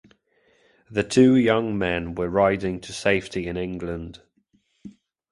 The two young men were riding to safety in England.